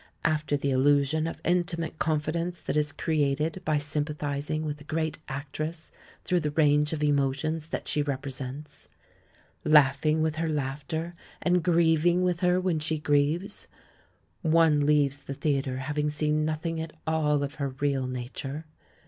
After the illusion of intimate confidence that is created by sympathising with a great actress through the range of emotions that she represents — laughing with her laughter, and grieving with THE LAURELS AND THE LADY 99 her when she grieves — one leaves the theatre hav ing seen nothing at all of her real nature.